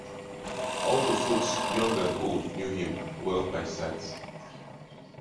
All the folks, young and old, knew him well by sight.